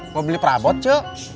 mau beli prabut sob